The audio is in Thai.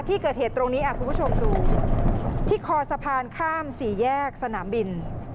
ที่เกิดเหตุตรงนี้คุณผู้ชมดูที่คอสะพานข้ามสี่แยกสนามบิน